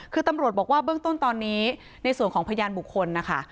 คือตำรวจบอกว่าเบื้องต้นตอนนี้ในส่วนของพยานบุคคลนะคะ